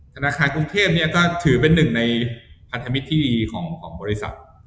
ธนาคารกรุงเทพก็ถือเป็นหนึ่งในพันธมิตรที่ดีของบริษัท